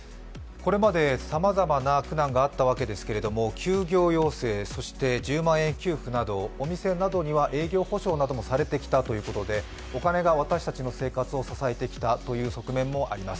これまでさまざまな苦難があったわけですけれども、休業要請、そして１０万円給付などお店などには営業補償などもされてきたということでお金が私たちの生活を支えてきたという側面もあります。